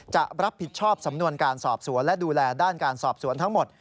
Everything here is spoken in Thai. จะรับผิดชอบสำนวนการสอบสวนและดูแลด้านการสอบสวนทั้งหมด